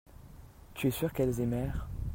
tu es sûr qu'elles aimèrent.